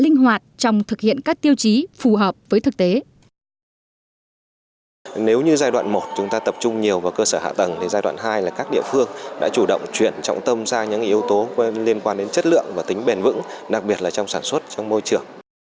nếu như giai đoạn một chúng ta tập trung nhiều vào cơ sở hạ tầng thì giai đoạn hai là các địa phương đã chủ động chuyển trọng tâm ra những yếu tố liên quan đến chất lượng và tính bền vững đặc biệt là trong sản xuất trong môi trường